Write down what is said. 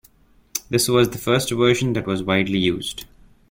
This was the first version that was widely used.